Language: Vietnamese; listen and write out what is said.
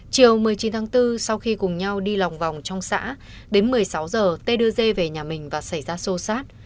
chiều một mươi chín tháng bốn sau khi cùng nhau đi lòng vòng trong xã đến một mươi sáu giờ tê đưa dê về nhà mình và xảy ra sô sát